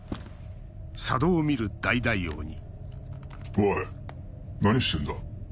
おい何してんだ？